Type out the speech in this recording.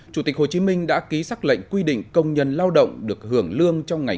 chủ tịch hồ chí minh đã ký xác lệnh quy định công nhân lao động được hưởng lương trong ngày